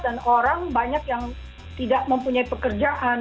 dan orang banyak yang tidak mempunyai pekerjaan